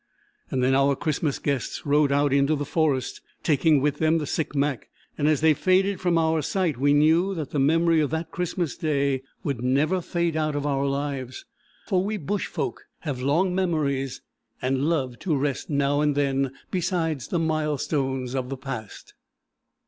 Then our Christmas guests rode out into the forest, taking with them the sick Mac, and as they faded from our sight we knew that the memory of that Christmas day would never fade out of our lives; for we bush folk have long memories and love to rest now and then beside the milestones of the past.